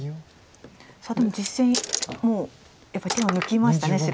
さあでも実戦もうやっぱり手を抜きました白。